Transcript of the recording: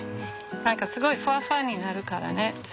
何かすごいふわふわになるからね土。